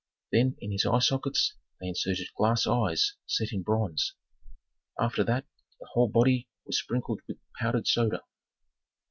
Then in his eye sockets they inserted glass eyes set in bronze. After that the whole body was sprinkled with powdered soda.